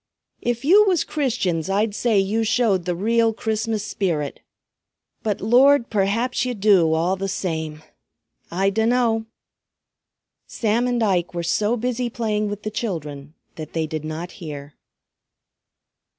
If you was Christians I'd say you showed the real Christmas spirit. But Lord perhaps ye do, all the same! I dunno!" Sam and Ike were so busy playing with the children that they did not hear.